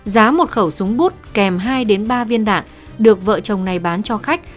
giá một khẩu súng bút kèm hai ba viên đạn được vợ chồng này bán cho khách